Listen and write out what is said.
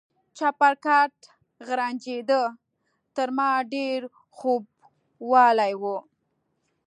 چپرکټ غرنجېده، تر ما ډېر خوبولی و.